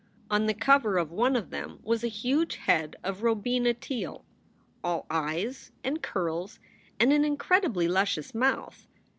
On the cover of one of them was a huge head of Robina Teele, all eyes and curls and an incredibly luscious mouth.